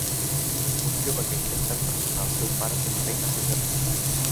Un jove que intenta impressionar al seu pare fent feines de jardí.